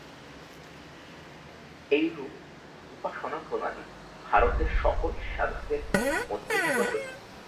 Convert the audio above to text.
এইরূপ উপাসনাপ্রণালী ভারতের সকল সাধকের মধ্যে প্রচলিত।